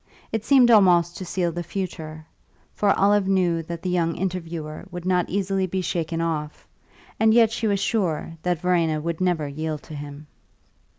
It seemed almost to seal the future; for Olive knew that the young interviewer would not easily be shaken off, and yet she was sure that Verena would never yield to him.